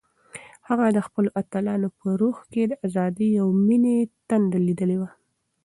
هغه د خپلو اتلانو په روح کې د ازادۍ او مینې تنده لیدلې وه.